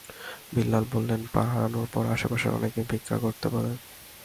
বিল্লাল বলেন, পা হারানোর পর আশপাশের অনেকেই ভিক্ষা করতে বলেন।